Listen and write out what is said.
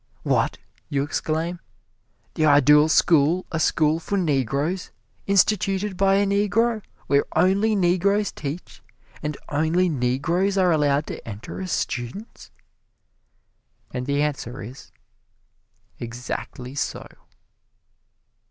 "What!" you exclaim. "The Ideal School a school for Negroes, instituted by a Negro, where only Negroes teach, and only Negroes are allowed to enter as students?" And the answer is, "Exactly so."